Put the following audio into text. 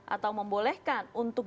atau membolehkan untuk